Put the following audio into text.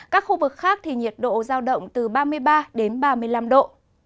các khu vực khác thì nhiệt độ giao động từ ba mươi ba đến ba mươi năm độ